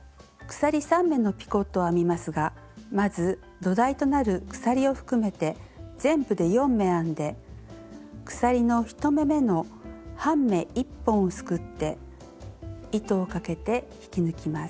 鎖３目のピコットを編みますがまず土台となる鎖を含めて全部で４目編んで鎖の１目めの半目１本をすくって糸をかけて引き抜きます。